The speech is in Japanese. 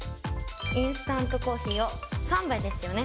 インスタントコーヒーを３杯ですよね。